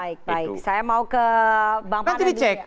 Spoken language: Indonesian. baik baik saya mau ke bang panen